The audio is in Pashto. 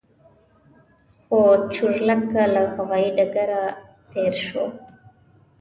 خو چورلکه له هوايي ډګر تېره شوه.